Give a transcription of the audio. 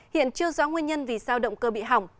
hiện chưa rõ nguyên nhân vì sao động cơ bị hỏng